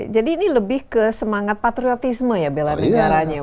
jadi ini lebih ke semangat patriotisme ya bela negaranya